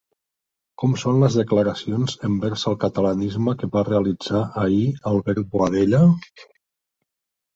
Com són les declaracions envers el catalanisme que va realitzar ahir Albert Boadella?